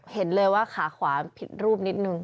เห็นเลยว่าขาขวาผิดรูปนิดนึง